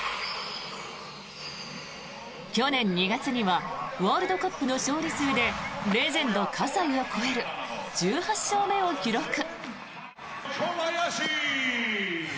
去年２月にはワールドカップの勝利数でレジェンド葛西を超える１８勝目を記録。